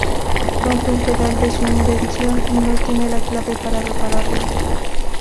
Rompe un pedal de su invención y no tiene la clave para repararlo.